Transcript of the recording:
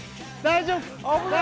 大丈夫か？